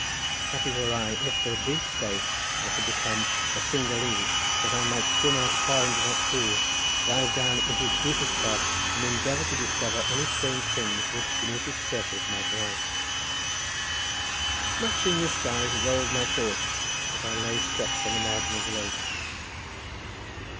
Happy were I if for a brief space I could become a Cingalese, that I might swim out far into that pool, dive down into its deepest part, and endeavour to discover any strange things which beneath its surface may lie." Much in this guise rolled my thoughts as I lay stretched on the margin of the lake.